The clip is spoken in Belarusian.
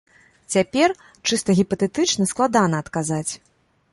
Цяпер, чыста гіпатэтычна, складана адказаць.